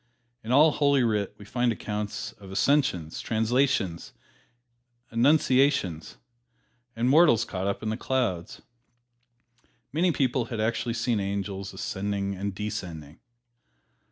In all "Holy Writ" we find accounts of "ascensions," "translations," "annunciations," and mortals caught up into the clouds. Many people had actually seen angels ascending and descending.